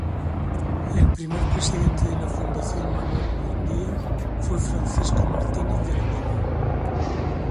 El primer Presidente de la Fundación Manuel Buendía fue Francisco Martínez de la Vega.